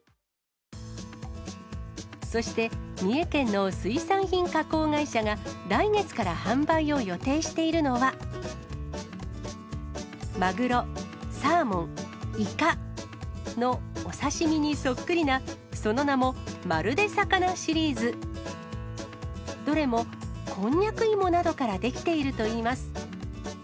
そして、三重県の水産品加工会社が、来月から販売を予定しているのは、マグロ、サーモン、イカのお刺身にそっくりな、その名も、まるで魚シリーズ。どれもこんにゃく芋などから出来ているといいます。